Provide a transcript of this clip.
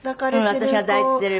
私が抱いている。